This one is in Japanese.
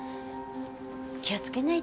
気をつけないと。